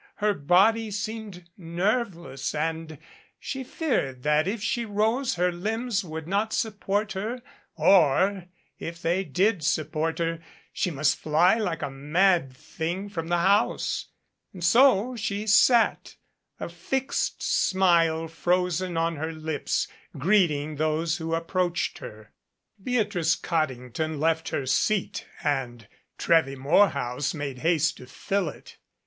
Her body seemed nerveless and she feared that if she rose her limbs would not support her, or, if they did support her, she must fly like a mad thing from the house. And so she sat, a fixed smile frozen on her lips, greeting those who approached her. Beatrice Cod dington left her seat, and Trewy Morehouse made haste to fill it.